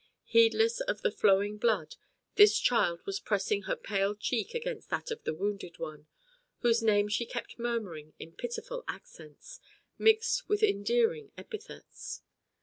Heedless of the flowing blood, this child was pressing her pale cheek against that of the wounded one, whose name she kept murmuring in pitiful accents, mixed with endearing epithets.